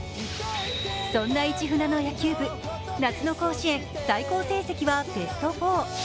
そんなイチフナの野球部、夏の甲子園最高成績はベスト４。